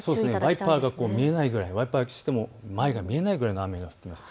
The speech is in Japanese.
ワイパーが見えないくらい、前が見えないくらいの雨が降っています。